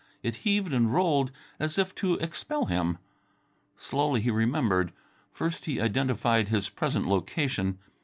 It heaved and rolled as if to expel him. Slowly he remembered. First he identified his present location.